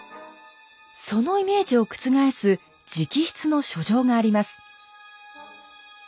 そのイメージを覆す直筆の書状があります。